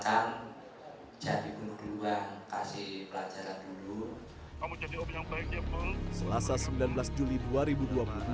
tapi disitu saya sarankan jadi bunuh dulu kasih pelajaran dulu